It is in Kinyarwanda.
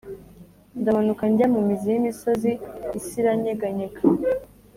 Ndamanuka njya mumizi y’imisozi, isiiranyeganyega